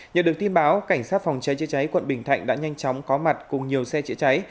nhận được tin báo cảnh sát phòng cháy chế cháy quận bình thạnh đã nhanh chóng có mặt cùng nhiều xe chữa cháy